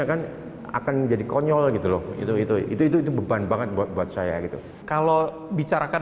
kan akan jadi konyol gitu loh itu itu beban banget buat saya gitu kalau bicarakan